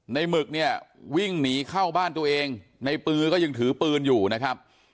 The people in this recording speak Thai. หมึกเนี่ยวิ่งหนีเข้าบ้านตัวเองในปือก็ยังถือปืนอยู่นะครับ